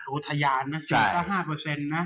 โอ้ทะยานนะ๐๕นะ